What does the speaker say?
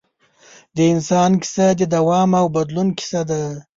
د انسان کیسه د دوام او بدلون کیسه ده.